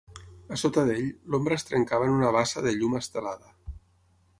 A sota d'ell, l'ombra es trencava en una bassa de llum estelada.